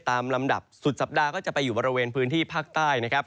ลำดับสุดสัปดาห์ก็จะไปอยู่บริเวณพื้นที่ภาคใต้นะครับ